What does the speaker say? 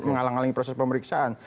mengalang alangin proses pemeriksaan